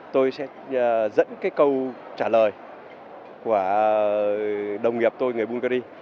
tôi sẽ dẫn cái câu trả lời của đồng nghiệp tôi người bungary